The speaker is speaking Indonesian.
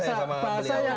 berunding saya sama